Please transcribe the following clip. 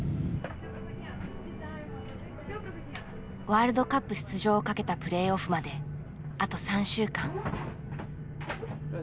ワールドカップ出場をかけたプレーオフまであと３週間。